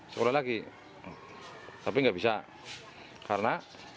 sekolah lagi tapi nggak bisa karena